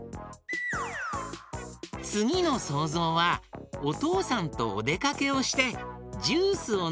つぎのそうぞうはおとうさんとおでかけをしてジュースをのんでいるえだよ。